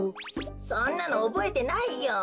そんなのおぼえてないよ。